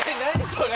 それ。